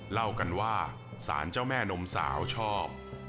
เล่ากันว่าสารเจ้าแม่นมสาวชอบ